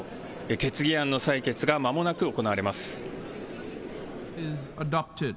決議案の採決がまもなく行われます。